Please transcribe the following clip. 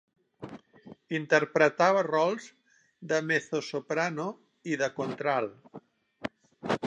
Interpretava rols de mezzosoprano i de contralt.